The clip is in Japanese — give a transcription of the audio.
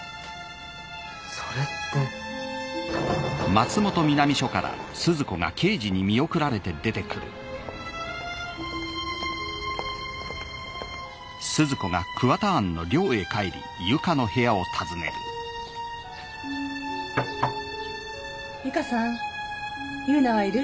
それって由香さん優奈はいる？